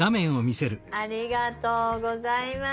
ありがとうございます。